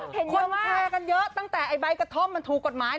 คนแชร์กันเยอะตั้งแต่ไอ้ใบกระท่อมมันถูกกฎหมาย